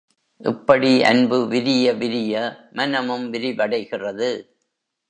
இப்படி அன்பு விரிய விரிய, மனமும் விரிவடைகிறது.